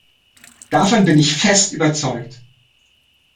Davon bin ich fest überzeugt.